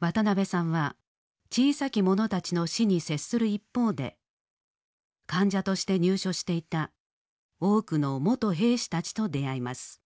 渡辺さんは小さきものたちの死に接する一方で患者として入所していた多くの元兵士たちと出会います。